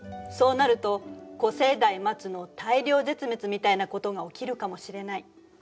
そうなると古生代末の大量絶滅みたいなことが起きるかもしれない。